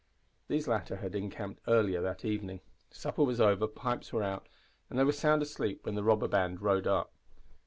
These latter had encamped earlier that evening. Supper was over, pipes were out and they were sound asleep when the robber band rode up.